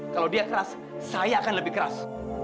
kalau dia keras saya akan lebih keras